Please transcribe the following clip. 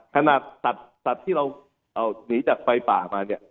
ขนาดสัตว์ที่เราหนีจากไฟป่ามาเนี่ย